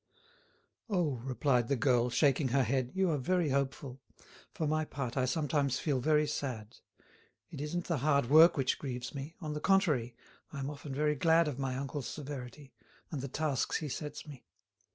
"Oh," replied the girl, shaking her head, "you are very hopeful. For my part I sometimes feel very sad. It isn't the hard work which grieves me; on the contrary, I am often very glad of my uncle's severity, and the tasks he sets me.